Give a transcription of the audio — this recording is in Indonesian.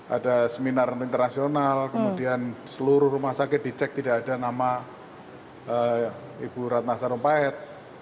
ada seminar internasional kemudian seluruh rumah sakit dicek tidak ada nama ibu ratna sarumpahit